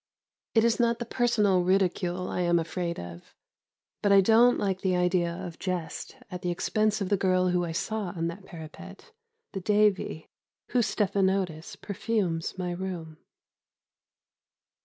It is not the personal ridicule I am afraid of, but I don't like the idea of jest at the expense of the girl whom I saw on that parapet, the Devi whose stephanotis perfumes my room.